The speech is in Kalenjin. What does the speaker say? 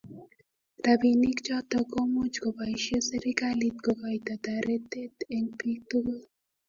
Rabinik chotok ko much kobaishe serikalit ko kaito taret eng piik tug'ul